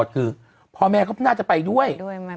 คือพ่อแม่เขาน่าจะไปด้วย